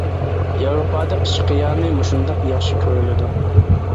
ياۋروپادا قىچا قىيامى مۇشۇنداق ياخشى كۆرۈلىدۇ.